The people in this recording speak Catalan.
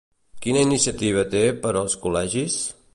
Quina iniciativa té per als col·legis?